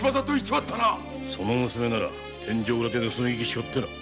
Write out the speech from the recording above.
その娘なら天井裏で盗み聞きしおって。